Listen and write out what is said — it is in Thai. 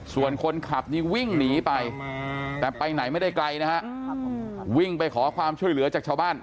ส่วนคนขับนี่วิ่งหนีไปแต่ไปไหนไม่ได้ไกลนะฮะวิ่งไปขอความช่วยเหลือจากชาวบ้าน